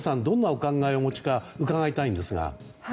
どんなお考えをお持ちか伺いたいんですが。